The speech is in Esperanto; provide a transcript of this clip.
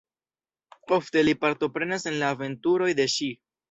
Ofte li partoprenas en la aventuroj de ŝi.